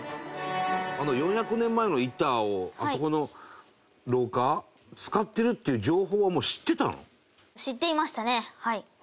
４００年前の板をあそこの廊下使ってるっていう情報はもう知ってたの？